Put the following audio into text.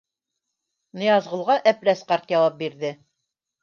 Ныязғолға Әпләс ҡарт яуап бирҙе: